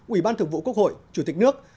ủy ban thượng vụ quốc hội chủ tịch nước